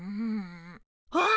あっ！